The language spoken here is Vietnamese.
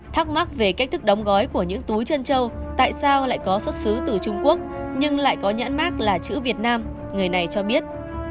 thắc mắc về cách thức đóng gói của những túi chân trâu tại sao lại có xuất xứ từ trung quốc nhưng lại có nhãn mát là chữ việt nam người này cho biết